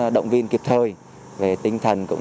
động viên kịp thời về tinh thần